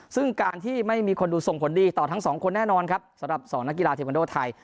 ซึ่งการที่ไม่มีคนดูส่งผลดีต่อทั้งสองคนแน่นอนครับสำหรับ๒นักกีฬาเทวันโดไทย